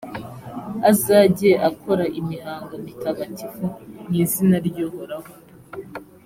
azajye akora imihango mitagatifu mu izina ry’uhoraho